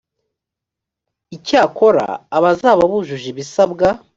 icyakora abazaba bujuje ibisabwa